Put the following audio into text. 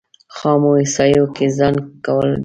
خامو احصایو کې ځای کول دي.